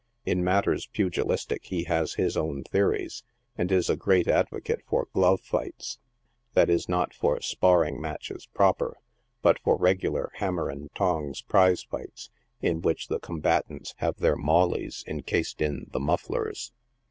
In matters pugilistic he has his own theories, and is a great advocate for glove fights, that is, not for sparring matches proper, but for regular hammer and tongs prize fights, iu which the combatants have their " mawleys" encased in the " mufflers."